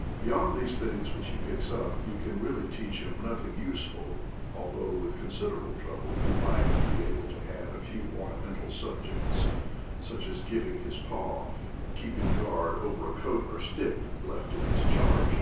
[ Beyond these things which he picks up, you can really teach him nothing useful, although with «7 \ 58 IDLE DAYS IN PATAGONIA! considerable trouble you might be able to add a few ornamental subjects, such as giving his paw, and keeping guard over a coat or stick left in his charge.